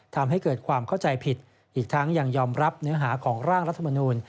ทำให้เกิดความเข้าใจผิดอีกทั้งยังยอมรับเนื้อหาของร่างรัฐมนูล